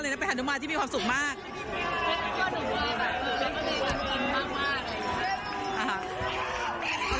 สุดยอดฮานุมาไทยบ๊อกซิ้งตัดภาพมานิงลบบุรี